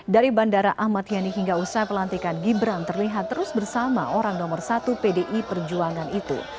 dari bandara ahmad yani hingga usai pelantikan gibran terlihat terus bersama orang nomor satu pdi perjuangan itu